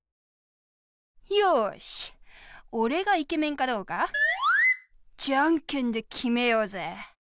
よしおれがイケメンかどうかジャンケンできめようぜ！